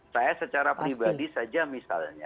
saya secara pribadi saja misalnya